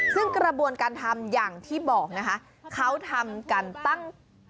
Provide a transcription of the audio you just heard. ซึ่งกระบวนการทำอย่างที่บอกนะคะเขาทำกันตั้ง